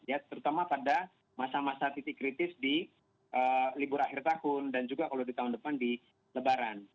ya terutama pada masa masa titik kritis di libur akhir tahun dan juga kalau di tahun depan di lebaran